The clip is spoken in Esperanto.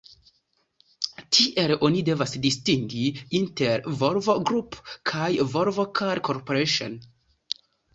Tiel oni devas distingi inter "Volvo Group" kaj "Volvo Car Corporation".